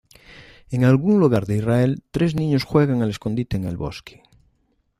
En algún lugar en Israel, tres niños juegan al escondite en el bosque.